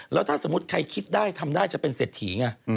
แล้วถ้าสมมุติใครคิดได้ทำได้จะเป็นเศรษฐีไง